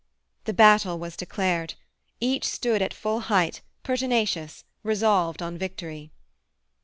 The battle was declared. Each stood at full height, pertinacious, resolved on victory.